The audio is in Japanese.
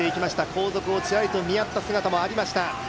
後続をちらりと見やった姿もありました。